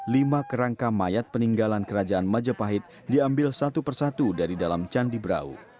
lima kerangka mayat peninggalan kerajaan majapahit diambil satu persatu dari dalam candi brau